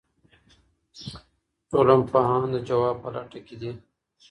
ټولنپوهان د ځواب په لټه کې دي.